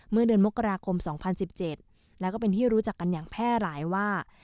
เมื่อเดือนมกราคม๒๐๑๗แล้วก็เป็นที่รู้จักกันอย่างแพร่หลายว่า